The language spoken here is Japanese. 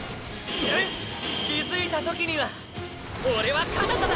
気付いた時にはオレはかなただ！